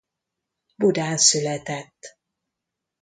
Budán született.